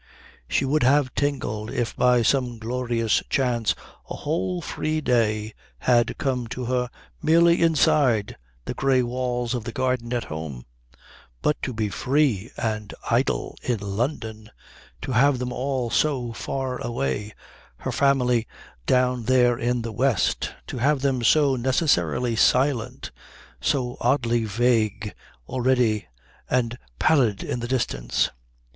She would have tingled if by some glorious chance a whole free day had come to her merely inside the grey walls of the garden at home; but to be free and idle in London, to have them all so far away, her family down there in the west, to have them so necessarily silent, so oddly vague already and pallid in the distance!